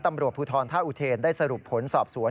ตำรวจภูทรท่าอุเทนได้สรุปผลสอบสวน